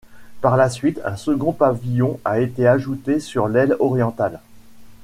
Par la suite un second pavillon a été ajouté sur l'aile orientale.